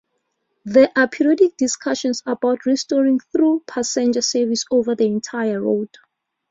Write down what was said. There are periodic discussions about restoring through passenger service over the entire route.